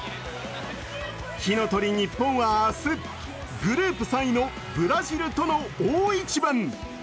火の鳥ＮＩＰＰＯＮは明日グループ３位のブラジルとの大一番。